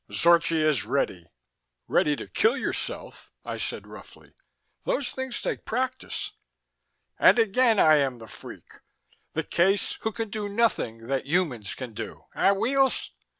Zorchi is ready!" "Ready to kill yourself!" I said roughly. "Those things take practice!" "And again I am the freak the case who can do nothing that humans can do, eh, Weels?"